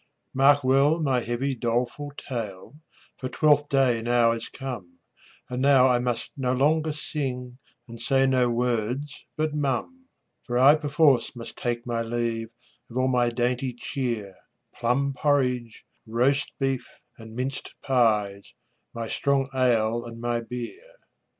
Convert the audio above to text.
Mark well my heavy, doleful tale, For Twelfth day now is come, And now I must no longer sing, And say no words but mum; For I perforce must take my leave Of all my dainty cheer, Plum porridge, roast beef, and minced pies, My strong ale and my beer.